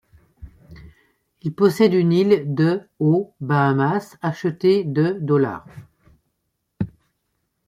Il possède une île de aux Bahamas, achetée de dollars.